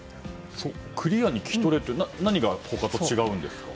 クリアに聞き取れるって何が他と違うんですか？